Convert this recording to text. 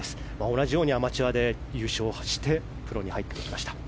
同じようにアマチュアで優勝をしてプロに入りました。